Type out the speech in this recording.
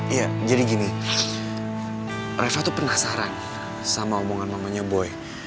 iya jadi gini reva tuh penasaran sama omongan mamanya boy